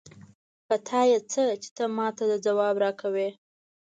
په تا يې څه؛ چې ته ما ته ځواب راکوې.